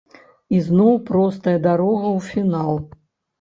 Ізноў простая дарога ў фінал.